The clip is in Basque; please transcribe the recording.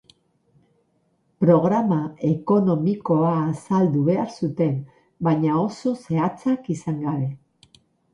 Programa ekonomikoa azaldu behar zuten, baina oso zehatzak izan gabe.